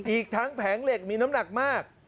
อีกทั้งแผงเหล็กมีน้ำหนักมาก